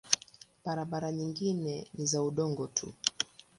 Barabara nyingine ni za udongo tu.